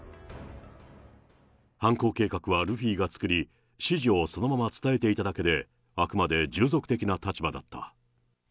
犯行計画はルフィが作り、指示をそのまま伝えていただけで、あくまで従属的な立場だった。